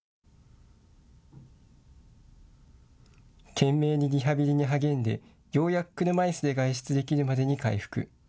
懸命にリハビリに励んでようやく車いすで外出できるまでに回復。